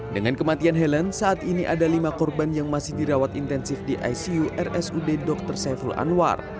dengan kematian helen saat ini ada lima korban yang masih dirawat intensif di icu rsud dr saiful anwar